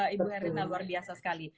ibu herina luar biasa sekali